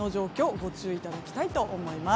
ご注意いただきたいと思います。